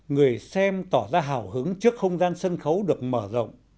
người xem tỏ ra hào hứng trước không gian sân khấu được mở rộng